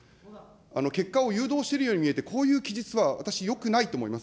結果を誘導してるように見えて、こういう記述は、私、よくないと思います。